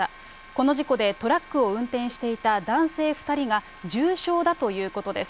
この事故でトラックを運転していた男性２人が重傷だということです。